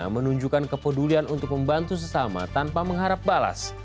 menunjukkan kepedulian untuk membantu sesama tanpa mengharap balas